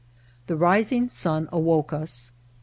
The rising sun awoke us.